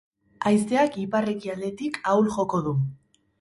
Haizeak ipar-ekialdetik ahul joko du.